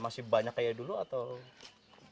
masih banyak kayak dulu atau